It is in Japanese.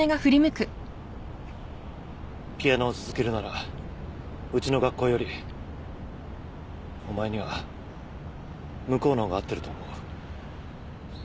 ピアノを続けるならうちの学校よりお前には向こうのほうが合ってると思う。